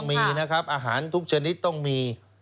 มีนะครับอาหารทุกชนิดต้องมี